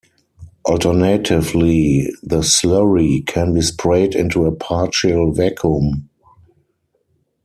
Alternatively, the slurry can be sprayed into a partial vacuum.